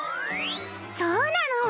そうなの。